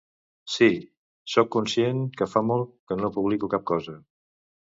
Sí, soc conscient que fa molt que no publico cap cosa.